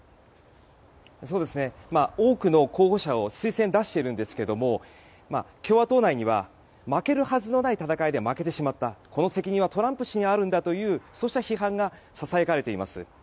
多くの候補者を推薦出しているんですが共和党内には負けるはずのない戦いで負けてしまったこの責任はトランプ氏にあるんだという批判がささやかれています。